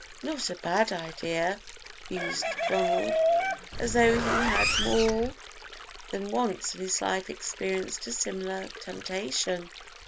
"Not a bad idea," mused Donald, as though he had more than once in his life experienced a similar temptation.